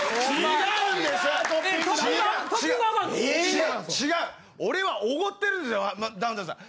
違う違う俺は奢ってるんですよダウンタウンさん。